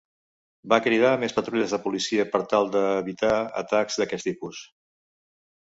Va cridar més patrulles de policia per tal d'evitar atacs d'aquest tipus.